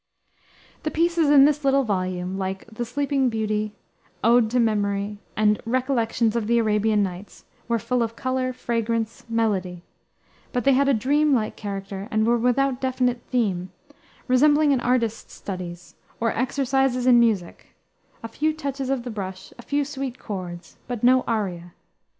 The pieces in this little volume, like the Sleeping Beauty, Ode to Memory, and Recollections of the Arabian Nights, were full of color, fragrance, melody; but they had a dream like character, and were without definite theme, resembling an artist's studies, or exercises in music a few touches of the brush, a few sweet chords, but no aria.